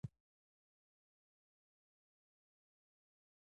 زه د مینې او محبت په احساساتو کې نه یم.